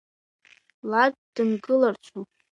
Лад дымгыларцу?!